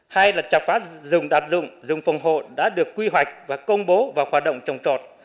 hai là chặt phát dùng đạt dùng dùng phòng hộ đã được quy hoạch và công bố vào hoạt động trồng trọt